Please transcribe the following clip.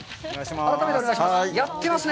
お願いします。